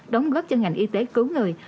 đóng góp cho ngành y tế cứu người